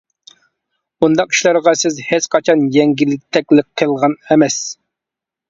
بۇنداق ئىشلارغا سىز ھېچقاچان يەڭگىلتەكلىك قىلغان ئەمەس.